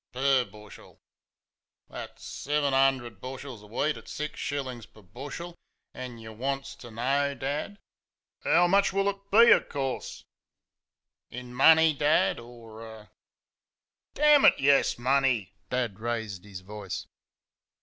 "Per bush el. That's seven 'undered bushels of wheat at six shillin's per bushel. An' y' wants ter know, Dad ?" "How much it'll be, of course." "In money, Dad, or er ?" "Dammit, yes; MONEY!" Dad raised his voice.